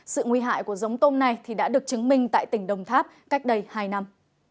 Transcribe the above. sự nguy hại của giống tôm này đã được chứng minh tại tỉnh đồng tháp cách đây hai năm